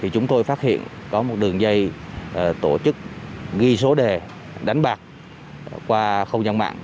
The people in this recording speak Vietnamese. chúng tôi phát hiện có một đường dây tổ chức ghi số đề đánh bạc qua không gian mạng